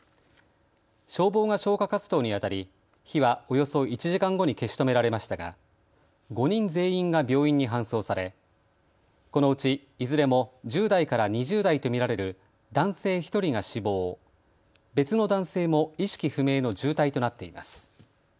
消防が消火活動にあたり火はおよそ１時間後に消し止められましたが５人全員が病院に搬送されこのうち、いずれも１０代から２０代と見られる男性１人が死亡、別の男性も意識不明の重体となっています。